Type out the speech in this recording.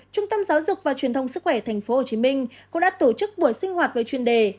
trung tâm giáo dục và truyền thông sức khỏe tp hcm cũng đã tổ chức buổi sinh hoạt với chuyên đề